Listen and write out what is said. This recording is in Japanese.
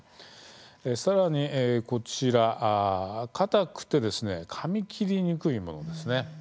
さらにこちら、かたくてかみ切りにくいものですね。